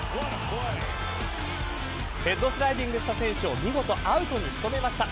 ヘッドスライディングした選手を見事アウトに仕留めました。